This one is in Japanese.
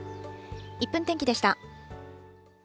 １分天気でした。